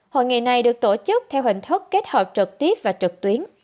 hội nghị này được tổ chức theo hình thức kết hợp trực tiếp và trực tuyến